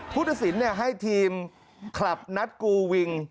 พุทธศิลป์ให้ทีมคลับนัดกูวิง